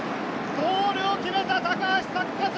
ゴールを決めた高橋作和。